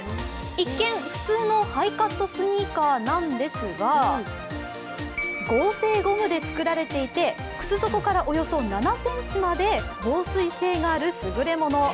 一見、普通のハイカットスニーカーなんですが、合成ゴムで作られていて靴底からおよそ７ｃｍまで防水性があるスグレモノ。